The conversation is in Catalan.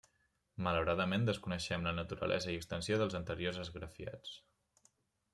Malauradament desconeixem la naturalesa i extensió dels anteriors esgrafiats.